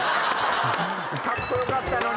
カッコ良かったのに。